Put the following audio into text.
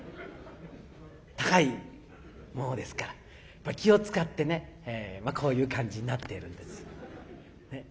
高いものですから気をつかってまあこういう感じになっているんです。